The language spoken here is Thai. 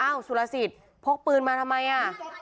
อ้าวสุรสิตพกปืนมาทำไมอะ